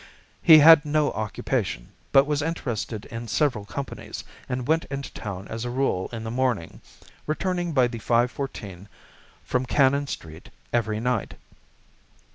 He had no occupation, but was interested in several companies and went into town as a rule in the morning, returning by the 5:14 from Cannon Street every night.